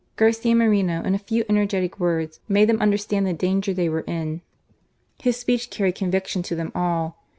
Garcia Moreno, in a few energetic words, made them understand the danger they were in. His speech carried conviction to them all.